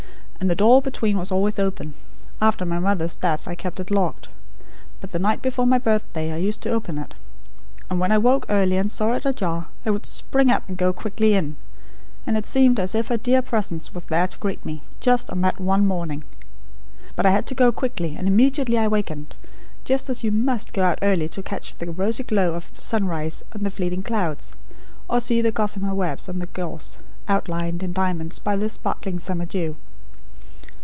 "And the door between was always open. After my mother's death, I kept it locked. But the night before my birthday, I used to open it; and when I woke early and saw it ajar, I would spring up, and go quickly in; and it seemed as if her dear presence was there to greet me, just on that one morning. But I had to go quickly, and immediately I wakened; just as you must go out early to catch the rosy glow of sunrise on the fleeting clouds; or to see the gossamer webs on the gorse, outlined in diamonds, by the sparkling summer dew.